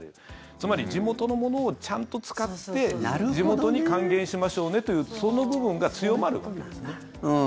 つまり地元のものをちゃんと使って地元に還元しましょうねというその部分が強まる。